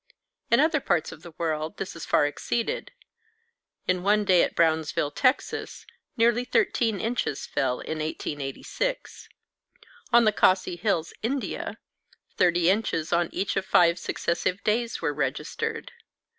In other parts of the world this is far exceeded. In one day at Brownsville, Texas, nearly 13 inches fell in 1886. On the Khasi hills, India, 30 inches on each of five successive days were registered.